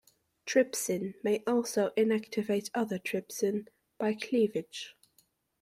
Trypsin may also inactivate other trypsin by cleavage.